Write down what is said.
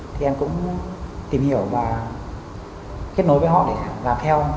thì em cũng tìm hiểu và kết nối với họ để làm theo